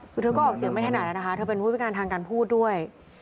คือเธอก็ออกเสียงไม่ถนัดแล้วนะคะเธอเป็นผู้พิการทางการพูดด้วย